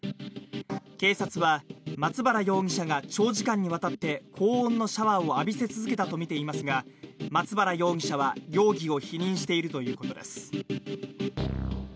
警察は松原容疑者が長時間にわたって高温のシャワーを浴びせ続けたとみていますが松原容疑者は容疑を否認しているということです。